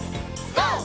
ＧＯ！